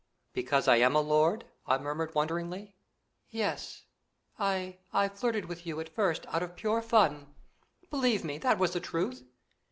"Because I am a lord?" I murmured wonderingly. "Yes! I I flirted with you at first out of pure fun believe me, that was the truth.